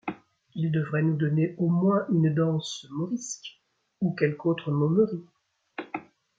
Ils devraient nous donner au moins une danse morisque, ou quelque autre momerie !